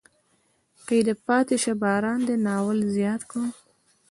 کې یې د پاتې شه باران دی ناول زیات کړ.